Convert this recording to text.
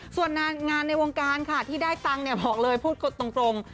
ส่วนงานในวงการค่ะที่ได้ตังค์บอกเลยพูดตรง